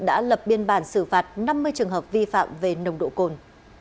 đã lập biên bản xử phạt năm mươi trường hợp vi phạm về nồng độ cồn